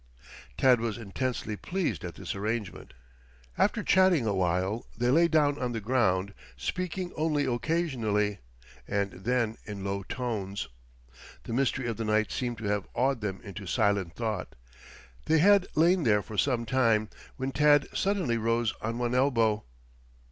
Tad was intensely pleased at this arrangement. After chatting a while they lay down on the ground, speaking only occasionally, and then in low tones. The mystery of the night seemed to have awed them into silent thought. They had lain there for some time, when Tad suddenly rose on one elbow.